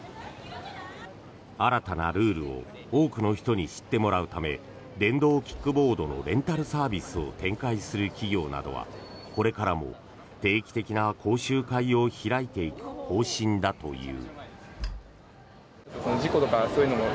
新たなルールを多くの人に知ってもらうため電動キックボードのレンタルサービスを展開する企業などはこれからも定期的な講習会を開いていく方針だという。